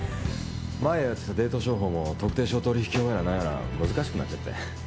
前やってたデート商法も特定商取引法やら何やら難しくなっちゃって。